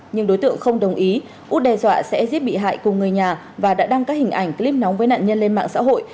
nhưng đối tượng không đồng ý út đe dọa sẽ giết bị hại cùng người nhà và đã đăng các hình ảnh clip nóng với nạn nhân lên mạng xã hội